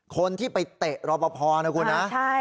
คนที่ไปเตะรอปภนะคุณนะ